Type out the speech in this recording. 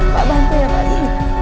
pak bantu ya pak